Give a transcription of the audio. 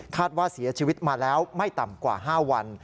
ว่าเสียชีวิตมาแล้วไม่ต่ำกว่า๕วัน